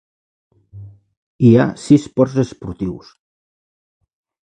Hi ha sis ports esportius.